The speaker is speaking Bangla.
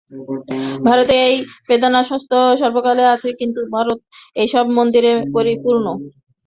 ভারতে এই বেদান্ততত্ত্ব সর্বকালে আছে, কিন্তু ভারত এইসব মন্দিরে পরিপূর্ণ।